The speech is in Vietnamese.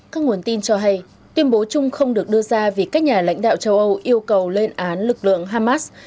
các nguồn tin cho hay tuyên bố chung không được đưa ra vì các nhà lãnh đạo châu âu yêu cầu lên án lực lượng hamas